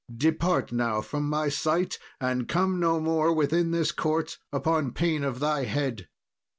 Depart now from my sight, and come no more within this court upon pain of thy head."